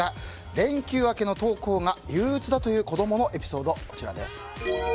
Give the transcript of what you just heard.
連休明けの登校が憂鬱だという子供のエピソード。